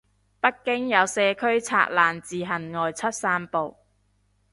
北京有社區拆欄自行外出散步